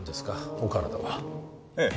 お体はええ